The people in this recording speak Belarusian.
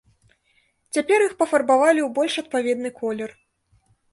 Цяпер іх пафарбавалі ў больш адпаведны колер.